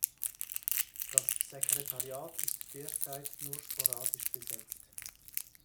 Das Sekretariat ist derzeit nur sporadisch besetzt.